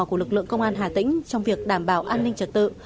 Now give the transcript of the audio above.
của lực lượng công an hà tĩnh trong việc đảm bảo an ninh trật tự